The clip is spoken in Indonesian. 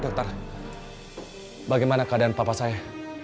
dokter bagaimana keadaan papa saya